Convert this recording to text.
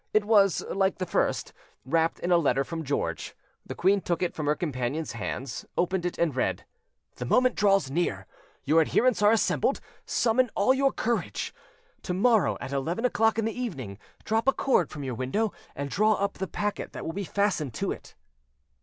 It was, like the first, wrapped in a letter from George: the queen took it from her companion's hands, opened it, and read: "The moment draws near; your adherents are assembled; summon all your courage." "To morrow, at eleven o'clock in the evening, drop a cord from your window, and draw up the packet that will be fastened to it."